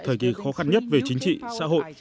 thời kỳ khó khăn nhất về chính trị xã hội